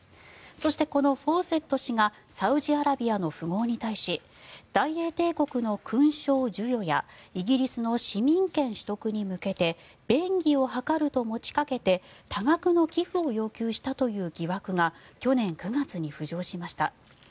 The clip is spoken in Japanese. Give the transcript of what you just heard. そして、このフォーセット氏がサウジアラビアの富豪に対し大英帝国の勲章授与やイギリスの市民権取得に向けて便宜を図ると持ちかけて多額の寄付を要求したという疑惑が去年９月に浮上しました。